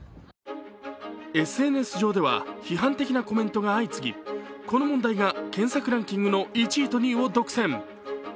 ＳＮＳ上では批判的なコメントが相次ぎこの問題が検索ランキングの１位と２位を独占。